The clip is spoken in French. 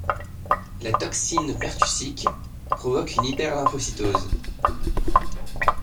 La toxine pertussique provoque une hyperlymphocytose.